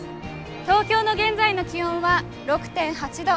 東京の現在の気温は６．８度。